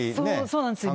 そうなんですよ。